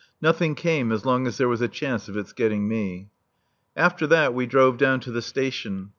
Nothing came as long as there was a chance of its getting me. After that we drove down to the station.